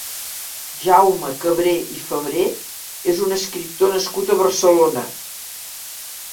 Jaume Cabré i Fabré és un escriptor nascut a Barcelona.